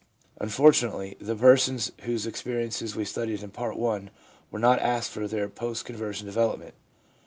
Unfortunately, the persons whose experiences we studied in Part I. were not asked for their post conver sion development.